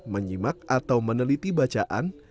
menyimak atau meneliti bacaan